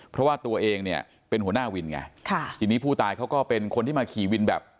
เพราะว่าตัวเองเนี่ยเป็นหัวหน้าวินไงค่ะทีนี้ผู้ตายเขาก็เป็นคนที่มาขี่วินแบบ